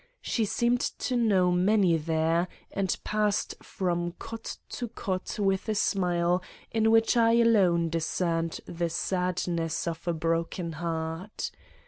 She seemed to know many there, and passed from cot to cot with a smile in which I alone discerned the sadness of a broken heart.